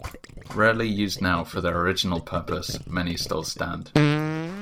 Rarely used now for their original purpose many still stand.